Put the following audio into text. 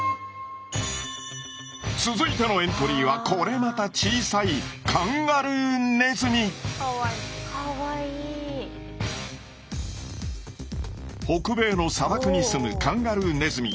続いてのエントリーはこれまた小さい北米の砂漠にすむカンガルーネズミ。